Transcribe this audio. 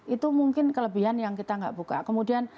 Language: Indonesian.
itu mungkin kelebihan yang kita nggak buka kemudian